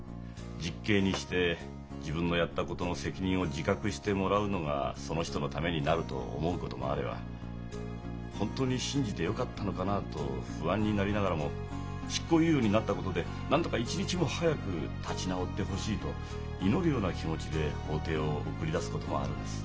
実刑にして自分のやったことの責任を自覚してもらうのがその人のためになると思うこともあれば本当に信じてよかったのかなと不安になりながらも執行猶予になったことでなんとか一日も早く立ち直ってほしいと祈るような気持ちで法廷を送り出すこともあるんです。